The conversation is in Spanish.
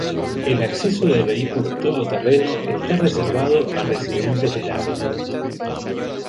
El acceso de vehículos todo terreno está reservado a residentes del área.